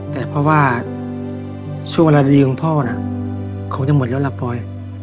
แต่เพราะว่าช่วงเวลาดีของพ่อน่ะคงจะหมดแล้วล่ะปลอย